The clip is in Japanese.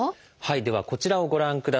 ではこちらをご覧ください。